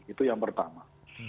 itu yang pertama